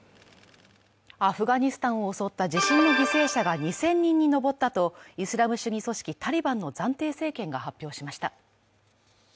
アフガニスタンを襲った地震の犠牲者が２０００人に上ったとイスラム主義組織タリバンの暫定政権が発表しました。